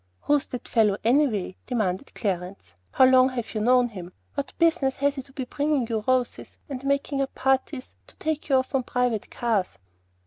"Who's that fellow anyway?" demanded Clarence. "How long have you known him? What business has he to be bringing you roses, and making up parties to take you off on private cars?"